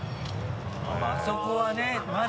あそこはねまだ。